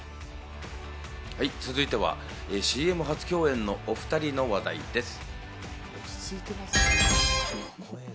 続いてはＣＭ初共演のお２人の話題です。